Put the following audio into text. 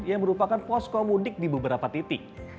yang merupakan pos komodik di beberapa titik